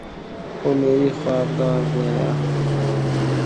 وہ میری خوابگاہ میں آیا